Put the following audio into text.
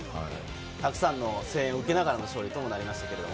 たくさんの声援を受けながらの勝利となりました。